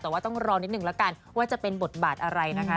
แต่ว่าต้องรอนิดนึงแล้วกันว่าจะเป็นบทบาทอะไรนะคะ